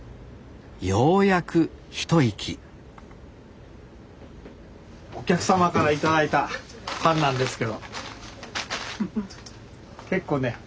ようやく一息お客様から頂いたパンなんですけど結構ね